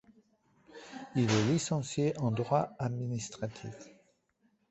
Il est licencié en droit administratif.